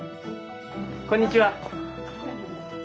こんにちは！